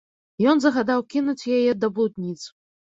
Ён загадаў кінуць яе да блудніц.